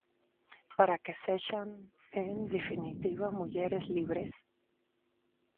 Para que sexan, en definitiva, mulleres libres.